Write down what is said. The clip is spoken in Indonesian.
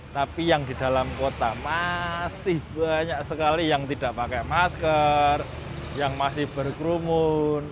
tapi yang di dalam kota masih banyak sekali yang tidak pakai masker yang masih berkerumun